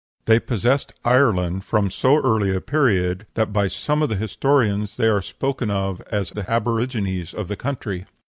They possessed Ireland from so early a period that by some of the historians they are spoken of as the aborigines of the country.